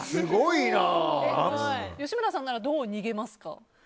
吉村さんならどう逃げますか？